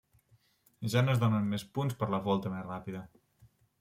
Ja no es donen punts per la volta més ràpida.